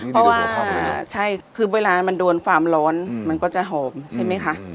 เพราะว่าใช่คือเวลามันโดนความร้อนมันก็จะหอมใช่ไหมคะ